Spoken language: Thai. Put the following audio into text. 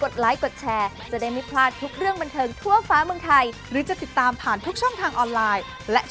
ดังนั้นทุกผู้ชมนะ